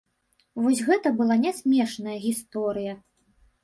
Вось гэта была нясмешная гісторыя!